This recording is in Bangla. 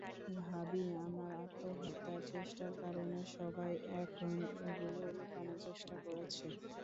ভাবি, আমার আত্মহত্যার চেষ্টার কারণে সবাই এখন এগুলো লুকানোর চেষ্টা করছে।